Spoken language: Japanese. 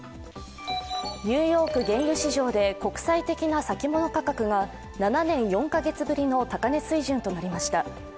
ニューヨーク原油市場で国際的な先物価格が７年４カ月ぶりの高値水準となりました。